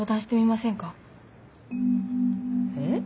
えっ？